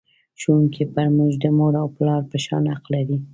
ښوونکی پر موږ د مور او پلار په شان حق لري.